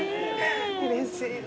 うれしいな。